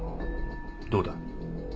どうだ？